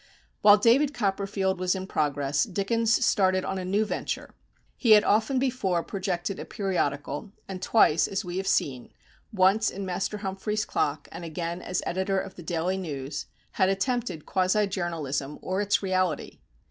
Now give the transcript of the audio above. While "David Copperfield" was in progress, Dickens started on a new venture. He had often before projected a periodical, and twice, as we have seen, once in Master Humphrey's Clock, and again as editor of The Daily News, had attempted quasi journalism or its reality.